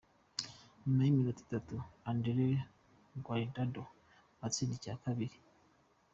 Nyuma y’iminota itatu Andrés Guardado atsinda icya kabiri.